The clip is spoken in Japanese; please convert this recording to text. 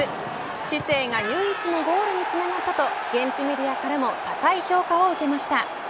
知性が唯一のゴールにつながったと現地メディアからも高い評価を受けました。